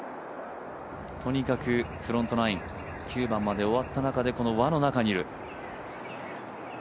とにかくフロントナイン、９番まで終わった中でこの輪の中にいる。